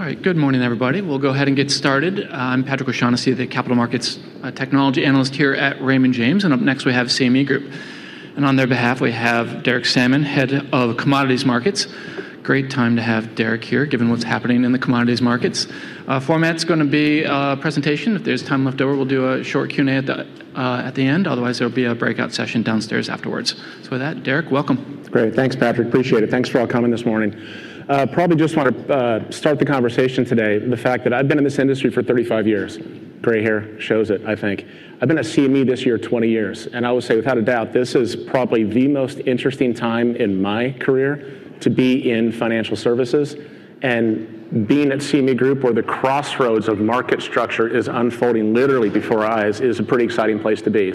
All right. Good morning, everybody. We'll go ahead and get started. I'm Patrick O'Shaughnessy, the capital markets, technology analyst here at Raymond James. Up next, we have CME Group. On their behalf, we have Derek Sammann, head of Commodities Markets. Great time to have Derek here, given what's happening in the commodities markets. Format's gonna be a presentation. If there's time left over, we'll do a short Q&A at the end. Otherwise, there'll be a breakout session downstairs afterwards. With that, Derek, welcome. It's great. Thanks, Patrick. Appreciate it. Thanks for all coming this morning. Probably just want to start the conversation today with the fact that I've been in this industry for 35 years. Gray hair shows it, I think. I've been at CME this year, 20 years. I would say without a doubt, this is probably the most interesting time in my career to be in financial services. Being at CME Group, where the crossroads of market structure is unfolding literally before our eyes, is a pretty exciting place to be.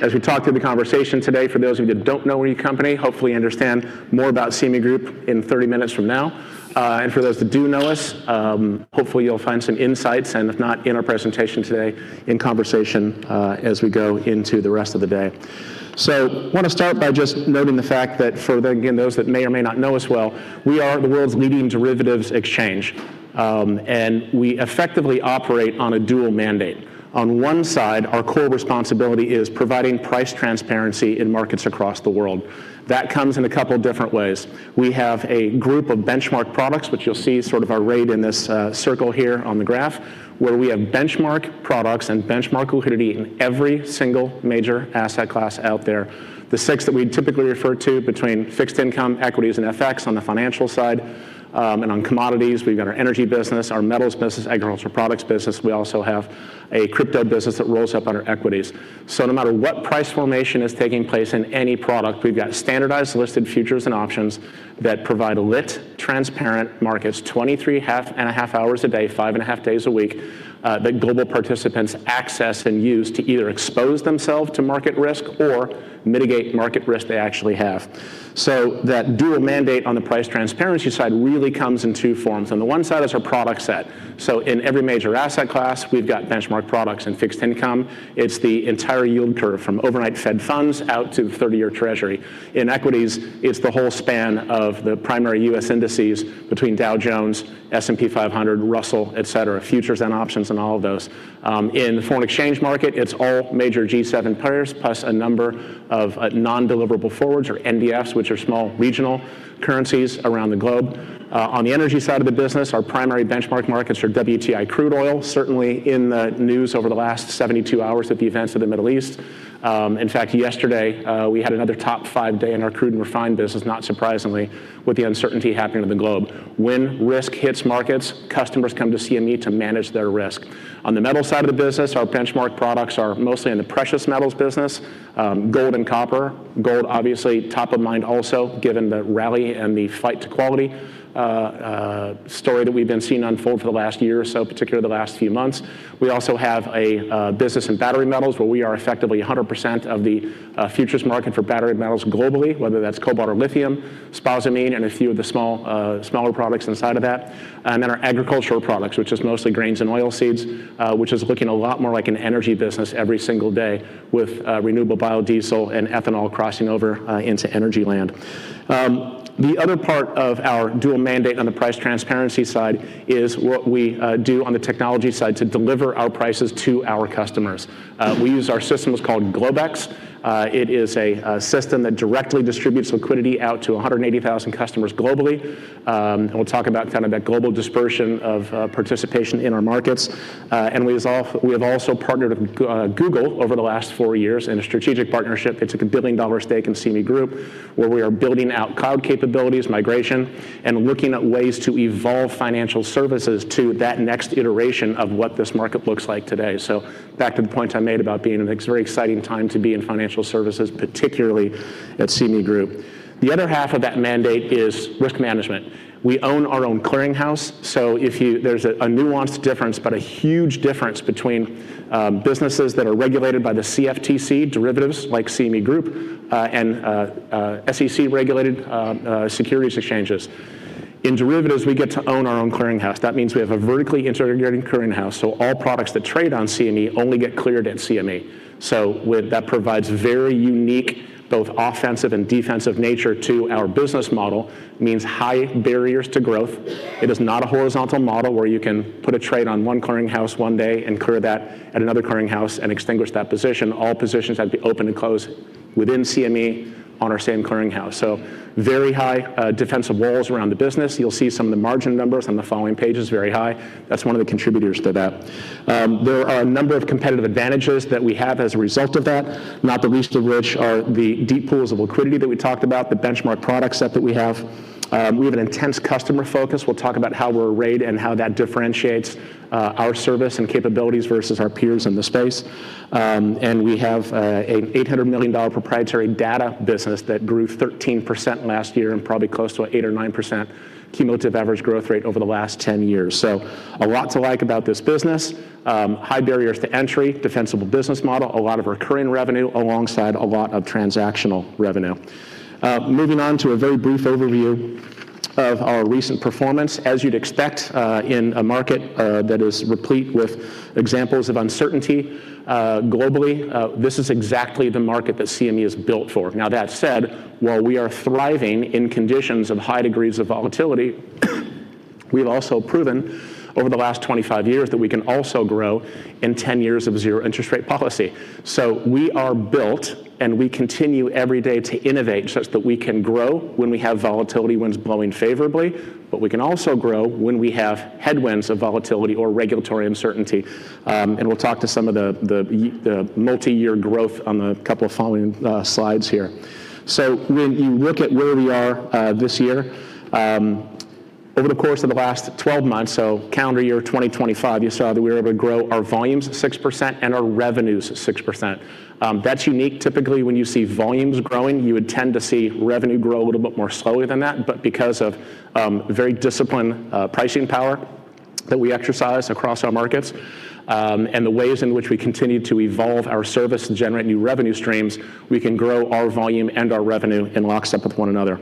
As we talk through the conversation today, for those of you that don't know any company, hopefully you understand more about CME Group in 30 minutes from now. For those that do know us, hopefully you'll find some insights, and if not in our presentation today, in conversation, as we go into the rest of the day. Wanna start by just noting the fact that for, again, those that may or may not know us well, we are the world's leading derivatives exchange, and we effectively operate on a dual mandate. On one side, our core responsibility is providing price transparency in markets across the world. That comes in a couple different ways. We have a group of benchmark products, which you'll see sort of arrayed in this, circle here on the graph, where we have benchmark products and benchmark liquidity in every single major asset class out there. The 6 that we typically refer to between fixed income, equities, and FX on the financial side, and on commodities, we've got our energy business, our metals business, agricultural products business. We also have a crypto business that rolls up under equities. No matter what price formation is taking place in any product, we've got standardized listed futures and options that provide lit, transparent markets 23 and a half hours a day, 5 and a half days a week, that global participants access and use to either expose themselves to market risk or mitigate market risk they actually have. That dual mandate on the price transparency side really comes in 2 forms. On the 1 side is our product set. In every major asset class, we've got benchmark products. In fixed income, it's the entire yield curve from overnight Fed funds out to 30-year Treasury. In equities, it's the whole span of the primary U.S. indices between Dow Jones, S&P 500, Russell, et cetera, futures and options in all of those. In the foreign exchange market, it's all major G7 players, plus a number of non-deliverable forwards or NDFs, which are small regional currencies around the globe. On the energy side of the business, our primary benchmark markets are WTI crude oil, certainly in the news over the last 72 hours with the events of the Middle East. In fact, yesterday, we had another top 5 day in our crude and refined business, not surprisingly, with the uncertainty happening in the globe. When risk hits markets, customers come to CME to manage their risk. On the metals side of the business, our benchmark products are mostly in the precious metals business, gold and copper. Gold obviously top of mind also, given the rally and the flight to quality story that we've been seeing unfold for the last year or so, particularly the last few months. We also have a business in battery metals, where we are effectively 100% of the futures market for battery metals globally, whether that's Cobalt or Lithium, spodumene, and a few of the small, smaller products inside of that. Then our agricultural products, which is mostly grains and oilseeds, which is looking a lot more like an energy business every single day with renewable biodiesel and ethanol crossing over into energy land. The other part of our dual mandate on the price transparency side is what we do on the technology side to deliver our prices to our customers. We use our system. It's called Globex. It is a system that directly distributes liquidity out to 180,000 customers globally. We'll talk about kind of that global dispersion of participation in our markets. We have also partnered with Google over the last 4 years in a strategic partnership that took a billion-dollar stake in CME Group, where we are building out cloud capabilities, migration, and looking at ways to evolve financial services to that next iteration of what this market looks like today. Back to the point I made about it's a very exciting time to be in financial services, particularly at CME Group. The other half of that mandate is risk management. We own our own clearinghouse, so if there's a nuanced difference but a huge difference between businesses that are regulated by the CFTC derivatives like CME Group and SEC-regulated securities exchanges. In derivatives, we get to own our own clearinghouse. That means we have a vertically integrated clearinghouse, so all products that trade on CME only get cleared at CME. That provides very unique, both offensive and defensive nature to our business model, means high barriers to growth. It is not a horizontal model where you can put a trade on one clearinghouse one day and clear that at another clearinghouse and extinguish that position. All positions have to be opened and closed within CME on our same clearinghouse. Very high defensive walls around the business. You'll see some of the margin numbers on the following pages, very high. That's one of the contributors to that. There are a number of competitive advantages that we have as a result of that, not the least of which are the deep pools of liquidity that we talked about, the benchmark product set that we have. We have an intense customer focus. We'll talk about how we're arrayed and how that differentiates our service and capabilities versus our peers in the space. We have a $800 million proprietary data business that grew 13% last year and probably close to 8% or 9% cumulative average growth rate over the last 10 years. A lot to like about this business. High barriers to entry, defensible business model, a lot of recurring revenue alongside a lot of transactional revenue. Moving on to a very brief overview of our recent performance. As you'd expect, in a market that is replete with examples of uncertainty, globally, this is exactly the market that CME is built for. That said, while we are thriving in conditions of high degrees of volatility. We've also proven over the last 25 years that we can also grow in 10 years of zero interest rate policy. We are built, and we continue every day to innovate such that we can grow when we have volatility winds blowing favorably, but we can also grow when we have headwinds of volatility or regulatory uncertainty. We'll talk to some of the multi-year growth on the couple of following slides here. When you look at where we are this year, over the course of the last 12 months, calendar year 2025, you saw that we were able to grow our volumes 6% and our revenues 6%. That's unique. Typically, when you see volumes growing, you would tend to see revenue grow a little bit more slowly than that. Because of very disciplined pricing power that we exercise across our markets, and the ways in which we continue to evolve our service to generate new revenue streams, we can grow our volume and our revenue in lockstep with one another.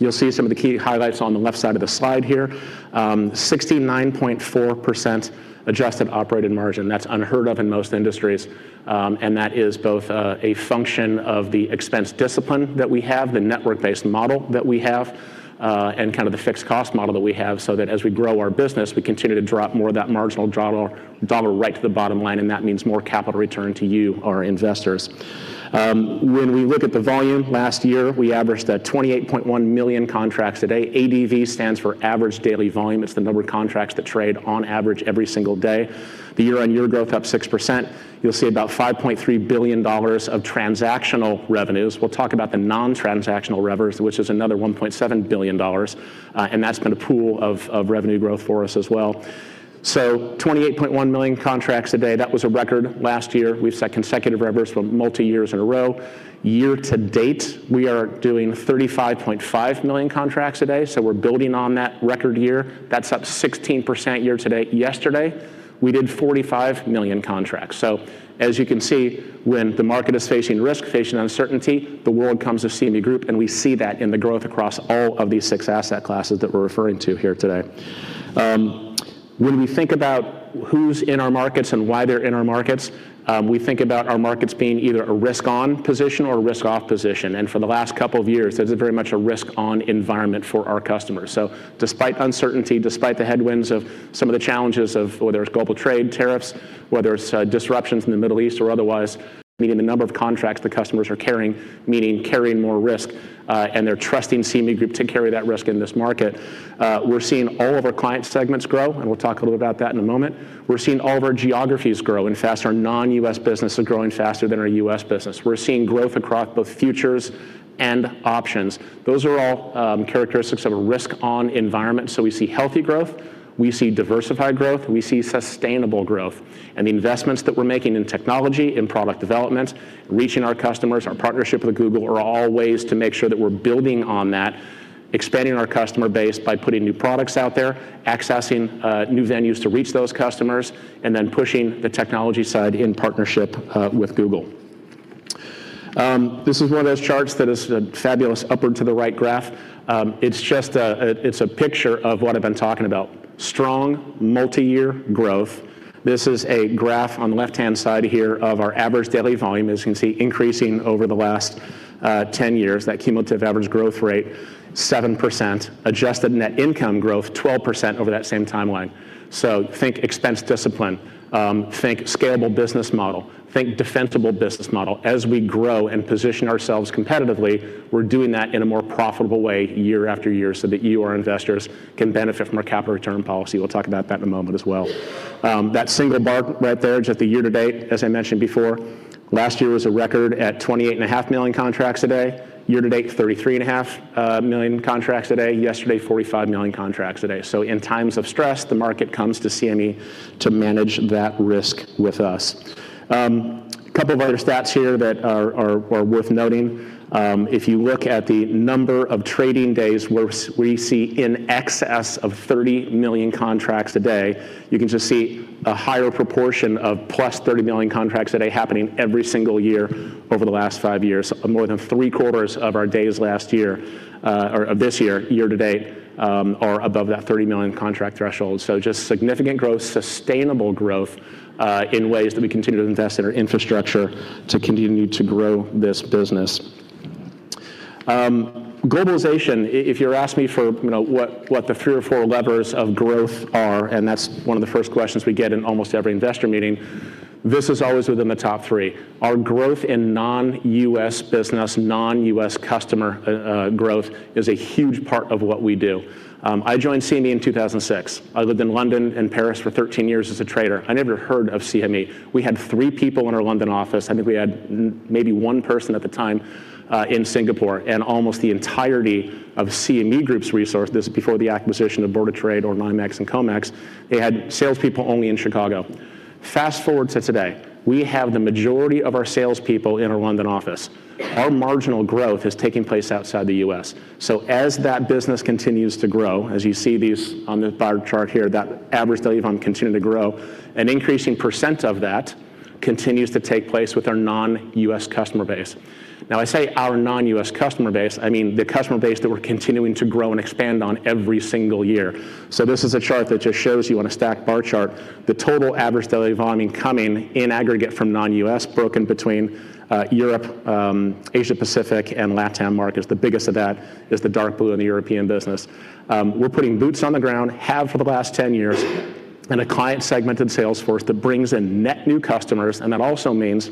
You'll see some of the key highlights on the left side of the slide here. 69.4% adjusted operating margin. That's unheard of in most industries, and that is both a function of the expense discipline that we have, the network-based model that we have, and kind of the fixed cost model that we have, so that as we grow our business, we continue to drop more of that marginal dollar right to the bottom line, and that means more capital return to you, our investors. When we look at the volume, last year, we averaged at 28.1 million contracts a day. ADV stands for Average Daily Volume. It's the number of contracts that trade on average every single day. The year-on-year growth up 6%. You'll see about $5.3 billion of transactional revenues. We'll talk about the non-transactional revenues, which is another $1.7 billion, That's been a pool of revenue growth for us as well. 28.1 million contracts a day, that was a record last year. We've set consecutive records for multiyears in a row. Year to date, we are doing 35.5 million contracts a day, We're building on that record year. That's up 16% year to date. Yesterday, we did 45 million contracts. As you can see, when the market is facing risk, facing uncertainty, the world comes to CME Group, We see that in the growth across all of these six asset classes that we're referring to here today. When we think about who's in our markets and why they're in our markets, we think about our markets being either a risk on position or a risk off position. For the last couple of years, there's very much a risk on environment for our customers. Despite uncertainty, despite the headwinds of some of the challenges of whether it's global trade tariffs, whether it's disruptions in the Middle East or otherwise, meaning the number of contracts the customers are carrying more risk, and they're trusting CME Group to carry that risk in this market. We're seeing all of our client segments grow, and we'll talk a little about that in a moment. We're seeing all of our geographies grow, and our non-US business is growing faster than our US business. We're seeing growth across both futures and options. Those are all characteristics of a risk on environment. We see healthy growth, we see diversified growth, we see sustainable growth. The investments that we're making in technology, in product development, reaching our customers, our partnership with Google, are all ways to make sure that we're building on that, expanding our customer base by putting new products out there, accessing new venues to reach those customers, and then pushing the technology side in partnership with Google. This is one of those charts that is a fabulous upward to the right graph. It's just a picture of what I've been talking about, strong multi-year growth. This is a graph on the left-hand side here of our average daily volume, as you can see, increasing over the last 10 years, that cumulative average growth rate, 7%. Adjusted net income growth, 12% over that same timeline. Think expense discipline, think scalable business model, think defensible business model. As we grow and position ourselves competitively, we're doing that in a more profitable way year after year so that you, our investors, can benefit from our capital return policy. We'll talk about that in a moment as well. That single bar right there is just the year to date, as I mentioned before. Last year was a record at 28.5 million contracts a day. Year to date, 33.5 million contracts a day. Yesterday, 45 million contracts a day. In times of stress, the market comes to CME to manage that risk with us. A couple of other stats here that are worth noting. If you look at the number of trading days where we see in excess of 30 million contracts a day, you can just see a higher proportion of plus 30 million contracts a day happening every single year over the last five years. More than three-quarters of our days last year, or this year to date, are above that 30 million contract threshold. Just significant growth, sustainable growth, in ways that we continue to invest in our infrastructure to continue to grow this business. Globalization, if you were to ask me for, you know, what the three or four levers of growth are, and that's one of the first questions we get in almost every investor meeting, this is always within the top three. Our growth in non-U.S. business, non-U.S. customer growth is a huge part of what we do. I joined CME in 2006. I lived in London and Paris for 13 years as a trader. I never heard of CME. We had 3 people in our London office. I think we had maybe 1 person at the time in Singapore, almost the entirety of CME Group's resources, this is before the acquisition of Board of Trade or NYMEX and COMEX, they had salespeople only in Chicago. Fast-forward to today, we have the majority of our salespeople in our London office. Our marginal growth is taking place outside the U.S. As that business continues to grow, as you see these on the bar chart here, that average daily volume continuing to grow, an increasing % of that continues to take place with our non-US customer base. I say our non-US customer base, I mean the customer base that we're continuing to grow and expand on every single year. This is a chart that just shows you on a stacked bar chart the total average daily volume coming in aggregate from non-US, broken between Europe, Asia Pacific, and LATAM markets. The biggest of that is the dark blue in the European business. We're putting boots on the ground, have for the last 10 years, and a client segmented sales force that brings in net new customers, and that also means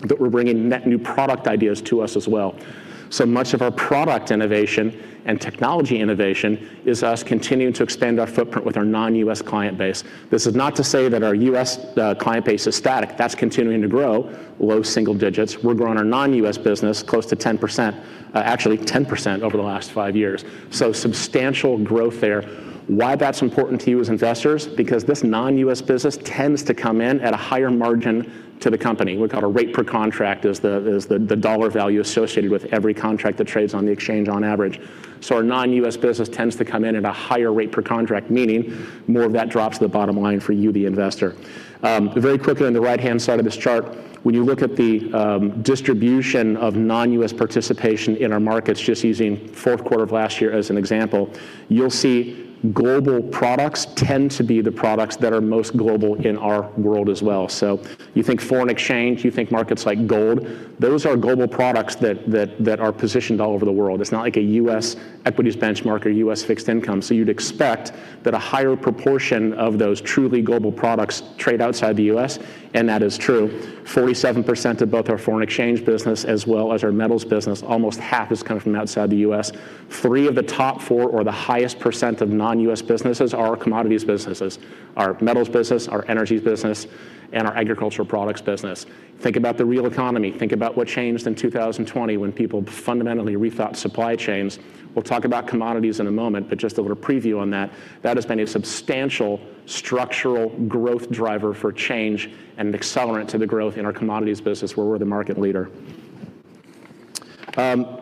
that we're bringing net new product ideas to us as well. Much of our product innovation and technology innovation is us continuing to expand our footprint with our non-US client base. This is not to say that our US client base is static. That's continuing to grow low single digits. We're growing our non-US business close to 10%, actually 10% over the last 5 years. Substantial growth there. That's important to you as investors? Because this non-US business tends to come in at a higher margin to the company. We've got a rate per contract as the dollar value associated with every contract that trades on the exchange on average. Our non-US business tends to come in at a higher rate per contract, meaning more of that drops to the bottom line for you, the investor. Very quickly on the right-hand side of this chart, when you look at the distribution of non-U.S. participation in our markets, just using fourth quarter of last year as an example, you'll see global products tend to be the products that are most global in our world as well. You think foreign exchange, you think markets like gold, those are global products that are positioned all over the world. It's not like a U.S. equities benchmark or U.S. fixed income. You'd expect that a higher proportion of those truly global products trade outside the U.S., and that is true. 47% of both our foreign exchange business as well as our metals business, almost half is coming from outside the U.S. Three of the top four or the highest % of non-U.S. businesses are our commodities businesses, our metals business, our energies business, and our agricultural products business. Think about the real economy. Think about what changed in 2020 when people fundamentally rethought supply chains. We'll talk about commodities in a moment, just a little preview on that. That has been a substantial structural growth driver for change and an accelerant to the growth in our commodities business where we're the market leader.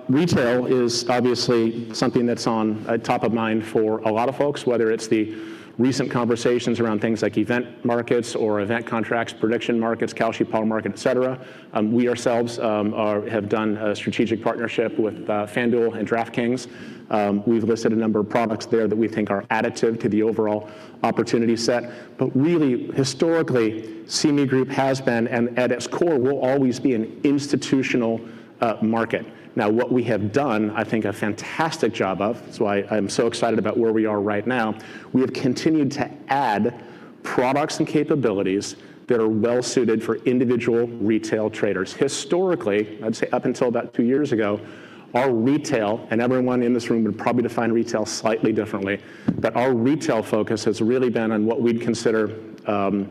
Retail is obviously something that's on top of mind for a lot of folks, whether it's the recent conversations around things like event markets or event contracts, prediction markets, Kalshi power market, et cetera. We ourselves have done a strategic partnership with FanDuel and DraftKings. We've listed a number of products there that we think are additive to the overall opportunity set. Really, historically, CME Group has been, and at its core, will always be an institutional market. What we have done, I think a fantastic job of, that's why I'm so excited about where we are right now, we have continued to add products and capabilities that are well-suited for individual retail traders. Historically, I'd say up until about two years ago, our retail, and everyone in this room would probably define retail slightly differently, but our retail focus has really been on what we'd consider.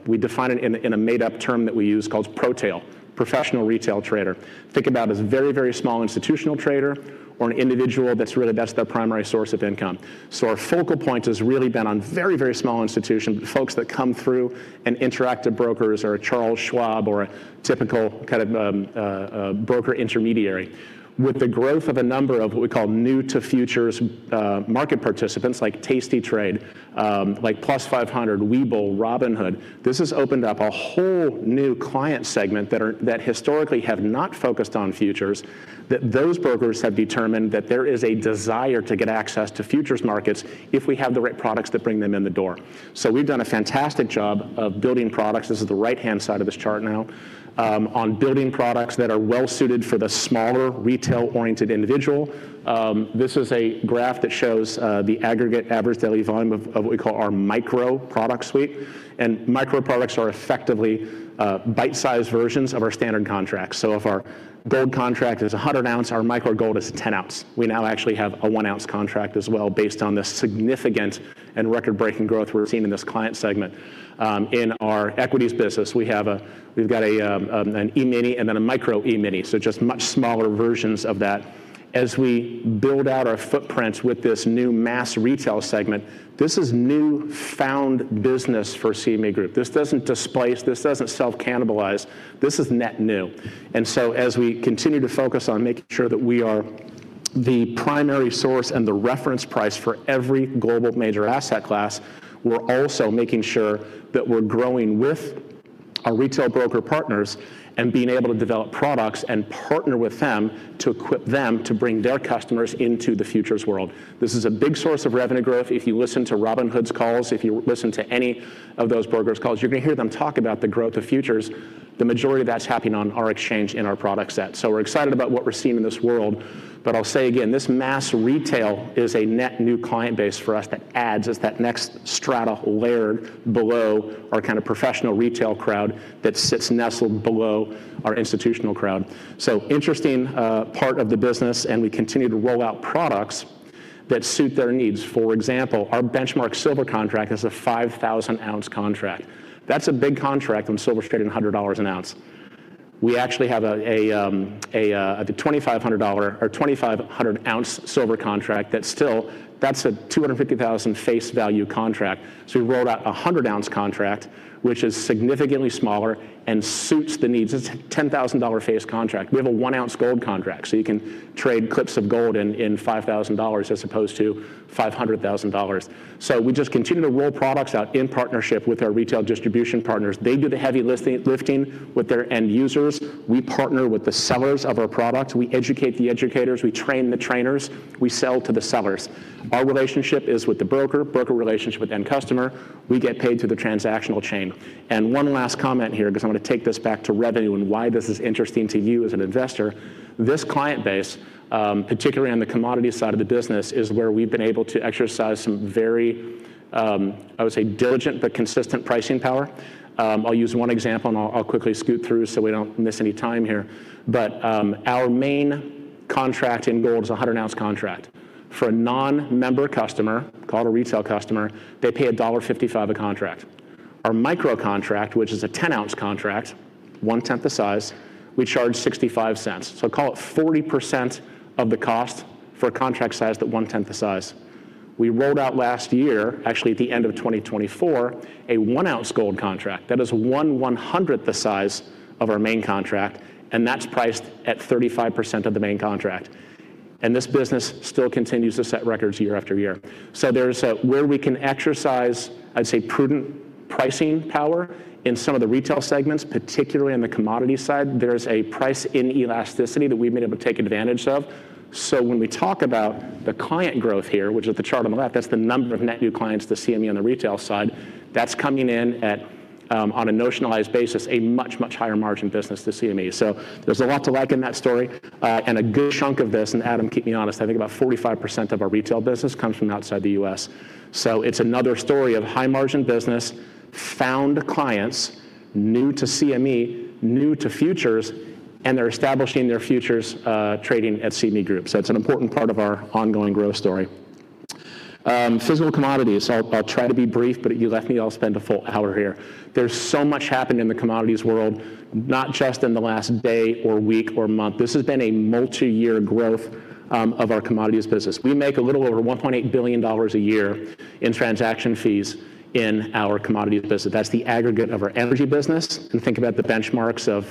We define it in a, in a made-up term that we use called Protail, professional retail trader. Think about it as a very, very small institutional trader or an individual that's really, that's their primary source of income. Our focal point has really been on very, very small institution, folks that come through an Interactive Brokers or a Charles Schwab or a typical kind of broker intermediary. With the growth of a number of what we call new-to-futures market participants like tastytrade, like Plus500, Webull, Robinhood, this has opened up a whole new client segment that historically have not focused on futures, that those brokers have determined that there is a desire to get access to futures markets if we have the right products to bring them in the door. We've done a fantastic job of building products, this is the right-hand side of this chart now, on building products that are well-suited for the smaller retail-oriented individual. This is a graph that shows the aggregate average daily volume of what we call our micro product suite. Micro products are effectively bite-sized versions of our standard contracts. If our gold contract is 100 ounce, our Micro Gold is 10 ounce. We now actually have a 1 ounce contract as well based on the significant and record-breaking growth we're seeing in this client segment. In our equities business, we've got an E-mini and then a Micro E-mini, so just much smaller versions of that. As we build out our footprints with this new mass retail segment, this is newfound business for CME Group. This doesn't displace, this doesn't self-cannibalize. This is net new. As we continue to focus on making sure that we are the primary source and the reference price for every global major asset class, we're also making sure that we're growing with our retail broker partners and being able to develop products and partner with them to equip them to bring their customers into the futures world. This is a big source of revenue growth. If you listen to Robinhood's calls, if you listen to any of those brokers' calls, you're gonna hear them talk about the growth of futures. The majority of that's happening on our exchange in our product set. We're excited about what we're seeing in this world. I'll say again, this mass retail is a net new client base for us that adds as that next strata layer below our kind of Protail crowd that sits nestled below our institutional crowd. Interesting part of the business, and we continue to roll out products that suit their needs. For example, our benchmark silver contract is a 5,000 ounce contract. That's a big contract when silver's trading $100 an ounce. We actually have a $2,500 or 2,500 ounce silver contract that's still. That's a $250,000 face value contract. We rolled out a 100 ounce contract, which is significantly smaller and suits the needs. It's a $10,000 face contract. We have a 1 ounce gold contract, so you can trade clips of gold in $5,000 as opposed to $500,000. We just continue to roll products out in partnership with our retail distribution partners. They do the heavy lifting with their end users. We partner with the sellers of our products. We educate the educators. We train the trainers. We sell to the sellers. Our relationship is with the broker relationship with end customer. We get paid through the transactional chain. One last comment here, because I want to take this back to revenue and why this is interesting to you as an investor. This client base, particularly on the commodities side of the business, is where we've been able to exercise some very, I would say diligent but consistent pricing power. I'll use one example, and I'll quickly scoot through so we don't miss any time here. Our main contract in gold is a 100 ounce contract. For a non-member customer, call it a retail customer, they pay $1.55 a contract. Our Micro contract, which is a 10-ounce contract, one-tenth the size, we charge $0.65. Call it 40% of the cost for a contract size that one-tenth the size. We rolled out last year, actually at the end of 2024, a 1-ounce gold contract. That is one-one-hundredth the size of our main contract, and that's priced at 35% of the main contract. This business still continues to set records year after year. There's where we can exercise, I'd say, prudent pricing power in some of the retail segments, particularly on the commodity side. There's a price inelasticity that we've been able to take advantage of. When we talk about the client growth here, which is the chart on the left, that's the number of net new clients to CME on the retail side. That's coming in at, on a notionalized basis, a much, much higher margin business to CME. There's a lot to like in that story. And a good chunk of this, and Adam, keep me honest, I think about 45% of our retail business comes from outside the U.S. It's another story of high margin business, found clients, new to CME, new-to-futures, and they're establishing their futures trading at CME Group. It's an important part of our ongoing growth story. Physical commodities. I'll try to be brief, but if you left me, I'll spend a full hour here. There's so much happened in the commodities world, not just in the last day or week or month. This has been a multiyear growth of our commodities business. We make a little over $1.8 billion a year in transaction fees in our commodities business. That's the aggregate of our energy business, think about the benchmarks of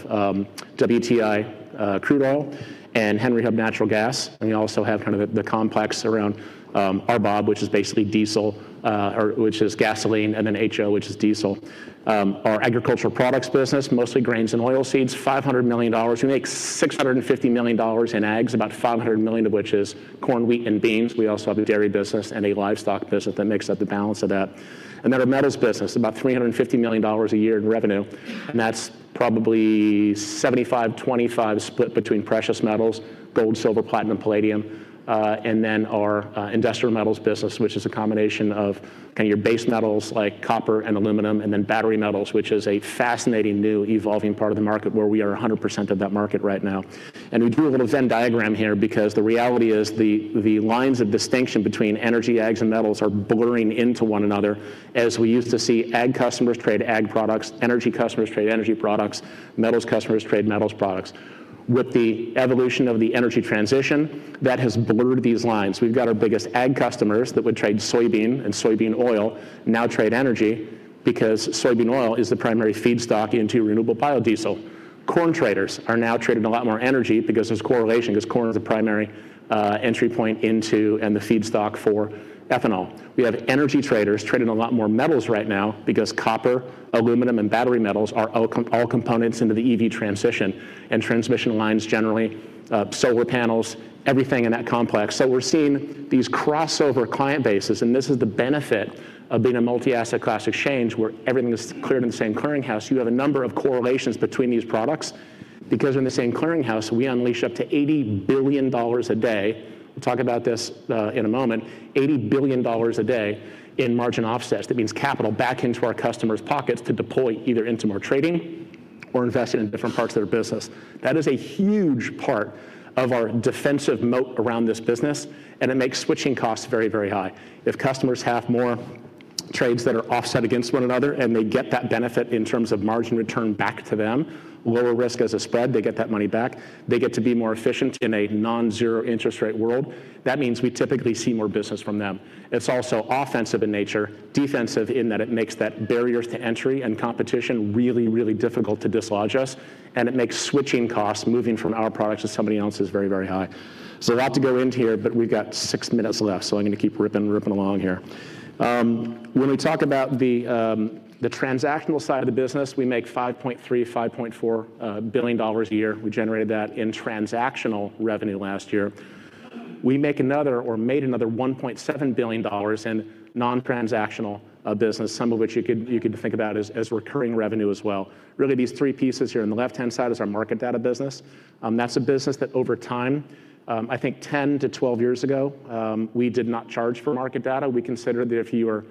WTI crude oil and Henry Hub Natural Gas. We also have kind of the complex around RBOB, which is basically diesel, or which is gasoline, and then HO, which is diesel. Our agricultural products business, mostly grains and oilseeds, $500 million. We make $650 million in ags, about $500 million of which is corn, wheat, and beans. We also have a dairy business and a livestock business that makes up the balance of that. Our metals business, about $350 million a year in revenue, and that's probably 75/25 split between precious metals, gold, silver, platinum, palladium, and then our industrial metals business, which is a combination of kind of your base metals like copper and aluminum and then battery metals, which is a fascinating new evolving part of the market where we are 100% of that market right now. We drew a little Venn diagram here because the reality is the lines of distinction between energy, ags, and metals are blurring into one another as we used to see ag customers trade ag products, energy customers trade energy products, metals customers trade metals products. With the evolution of the energy transition, that has blurred these lines. We've got our biggest ag customers that would trade soybean and soybean oil now trade energy because soybean oil is the primary feedstock into renewable biodiesel. Corn traders are now trading a lot more energy because there's correlation, 'cause corn is a primary entry point into and the feedstock for ethanol. We have energy traders trading a lot more metals right now because copper, aluminum, and battery metals are all components into the EV transition and transmission lines generally, solar panels, everything in that complex. We're seeing these crossover client bases, and this is the benefit of being a multi-asset class exchange where everything is cleared in the same clearinghouse. You have a number of correlations between these products because they're in the same clearinghouse, we unleash up to $80 billion a day. We'll talk about this in a moment. $80 billion a day in margin offsets. That means capital back into our customers' pockets to deploy either into more trading or invest it in different parts of their business. That is a huge part of our defensive moat around this business, and it makes switching costs very, very high. If customers have more trades that are offset against one another and they get that benefit in terms of margin return back to them, lower risk as a spread, they get that money back, they get to be more efficient in a non-zero interest rate world. That means we typically see more business from them. It's also offensive in nature, defensive in that it makes that barriers to entry and competition really, really difficult to dislodge us, and it makes switching costs, moving from our products to somebody else's, very, very high. A lot to go into here, but we've got 6 minutes left, so I'm gonna keep ripping along here. When we talk about the transactional side of the business, we make $5.3 billion-$5.4 billion a year. We generated that in transactional revenue last year. We make another or made another $1.7 billion in non-transactional business, some of which you could think about as recurring revenue as well. Really, these three pieces here on the left-hand side is our market data business. That's a business that over time, I think 10 to 12 years ago, we did not charge for market data. We considered that if you were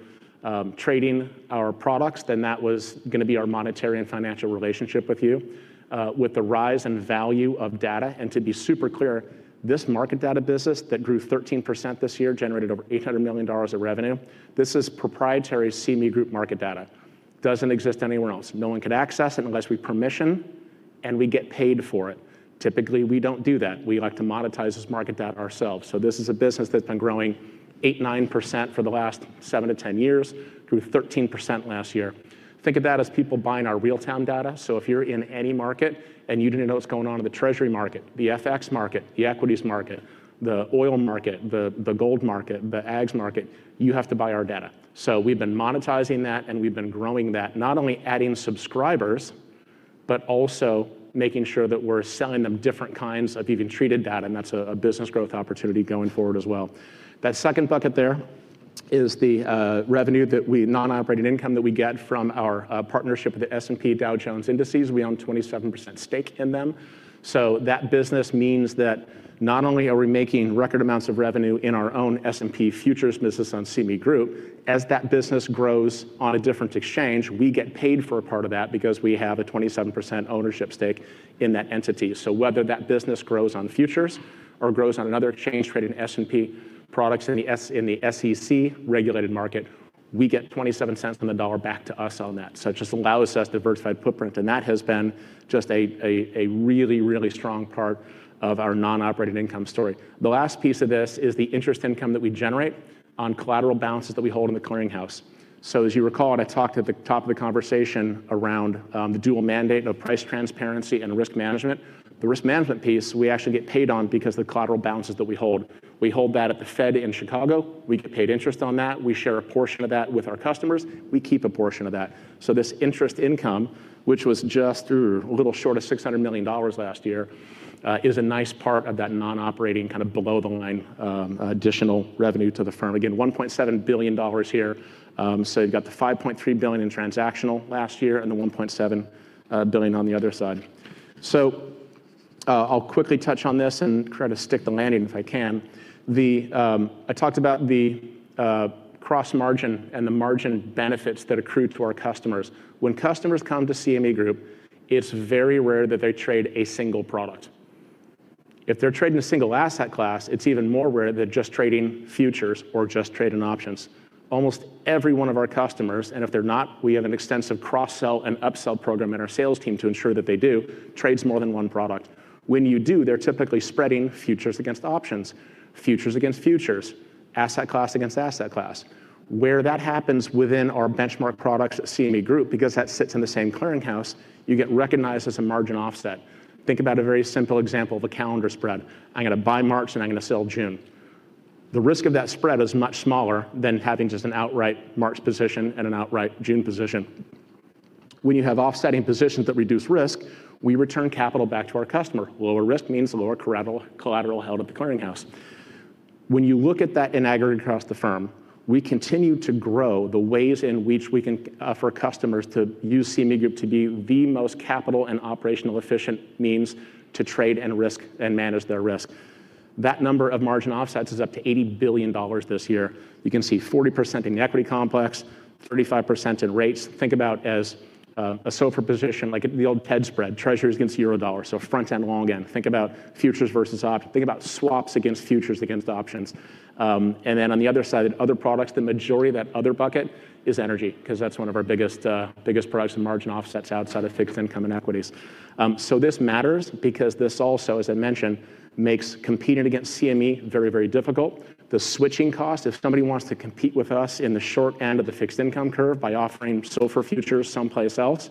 trading our products, then that was gonna be our monetary and financial relationship with you. With the rise in value of data, to be super clear, this market data business that grew 13% this year generated over $800 million of revenue. This is proprietary CME Group market data. Doesn't exist anywhere else. No one can access it unless we permission, we get paid for it. Typically, we don't do that. We like to monetize this market data ourselves. This is a business that's been growing 8%, 9% for the last 7-10 years, grew 13% last year. Think of that as people buying our real-time data. If you're in any market and you didn't know what's going on in the Treasury market, the FX market, the equities market, the oil market, the gold market, the ags market, you have to buy our data. We've been monetizing that, and we've been growing that, not only adding subscribers but also making sure that we're selling them different kinds of even treated data, and that's a business growth opportunity going forward as well. That second bucket there is the revenue that we non-operating income that we get from our partnership with the S&P Dow Jones Indices. We own 27% stake in them. That business means that not only are we making record amounts of revenue in our own S&P futures business on CME Group, as that business grows on a different exchange, we get paid for a part of that because we have a 27% ownership stake in that entity. Whether that business grows on futures or grows on another exchange trading S&P products in the SEC-regulated market. We get $0.27 on the dollar back to us on that. It just allows us a diversified footprint, and that has been just a really strong part of our non-operating income story. The last piece of this is the interest income that we generate on collateral balances that we hold in the clearinghouse. As you recall, and I talked at the top of the conversation around the dual mandate of price transparency and risk management. The risk management piece we actually get paid on because the collateral balances that we hold. We hold that at the Fed in Chicago. We get paid interest on that. We share a portion of that with our customers. We keep a portion of that. This interest income, which was just a little short of $600 million last year, is a nice part of that non-operating, kind of below-the-line, additional revenue to the firm. Again, $1.7 billion here. You've got the $5.3 billion in transactional last year and the $1.7 billion on the other side. I'll quickly touch on this and try to stick the landing if I can. I talked about the cross-margin and the margin benefits that accrue to our customers. When customers come to CME Group, it's very rare that they trade a single product. If they're trading a single asset class, it's even more rare they're just trading futures or just trading options. Almost every one of our customers, and if they're not, we have an extensive cross-sell and upsell program in our sales team to ensure that they do, trades more than one product. When you do, they're typically spreading futures against options, futures against futures, asset class against asset class. Where that happens within our benchmark products at CME Group, because that sits in the same clearinghouse, you get recognized as a margin offset. Think about a very simple example of a calendar spread. I'm gonna buy March, I'm gonna sell June. The risk of that spread is much smaller than having just an outright March position and an outright June position. When you have offsetting positions that reduce risk, we return capital back to our customer. Lower risk means lower collateral held at the clearinghouse. When you look at that in aggregate across the firm, we continue to grow the ways in which we can, for customers to use CME Group to be the most capital and operational efficient means to trade and risk and manage their risk. That number of margin offsets is up to $80 billion this year. You can see 40% in the equity complex, 35% in rates. Think about as a SOFR position, like the old TED spread, Treasuries against Eurodollars, so front end, long end. Think about futures versus swaps against futures against options. On the other side, in other products, the majority of that other bucket is energy, 'cause that's one of our biggest products in margin offsets outside of fixed income and equities. This matters because this also, as I mentioned, makes competing against CME very, very difficult. The switching cost, if somebody wants to compete with us in the short end of the fixed income curve by offering SOFR futures someplace else,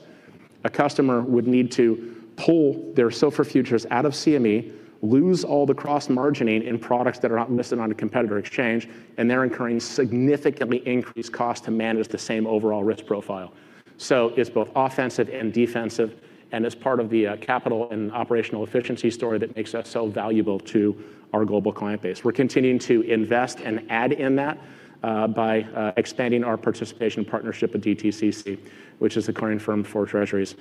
a customer would need to pull their SOFR futures out of CME, lose all the cross margining in products that are not listed on a competitor exchange, and they're incurring significantly increased cost to manage the same overall risk profile. It's both offensive and defensive, and it's part of the capital and operational efficiency story that makes us so valuable to our global client base. We're continuing to invest and add in that by expanding our participation partnership with DTCC, which is the clearing firm for Treasuries.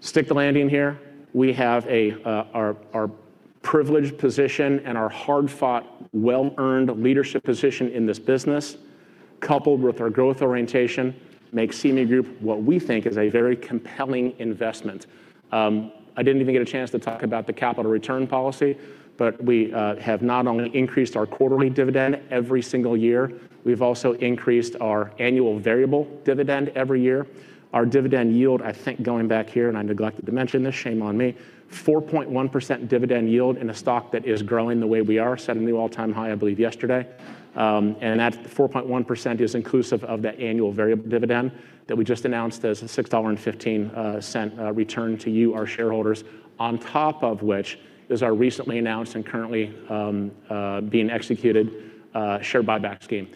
Stick the landing here. We have our privileged position and our hard-fought, well-earned leadership position in this business, coupled with our growth orientation, makes CME Group what we think is a very compelling investment. I didn't even get a chance to talk about the capital return policy, but we have not only increased our quarterly dividend every single year, we've also increased our annual variable dividend every year. Our dividend yield, I think going back here, and I neglected to mention this, shame on me, 4.1% dividend yield in a stock that is growing the way we are, set a new all-time high, I believe yesterday. That 4.1% is inclusive of that annual variable dividend that we just announced as a $6.15 return to you, our shareholders, on top of which is our recently announced and currently being executed share buyback scheme.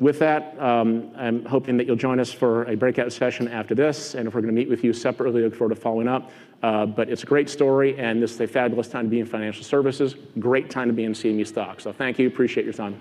With that, I'm hoping that you'll join us for a breakout session after this. If we're gonna meet with you separately, look forward to following up. It's a great story, and this is a fabulous time to be in financial services. Great time to be in CME stock. Thank you. Appreciate your time.